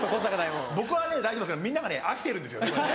僕はね大丈夫なんですけどみんなが飽きてるんですこれね。